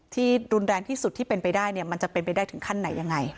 รุนแรงที่สุดที่เป็นไปได้เนี่ยมันจะเป็นไปได้ถึงขั้นไหนยังไง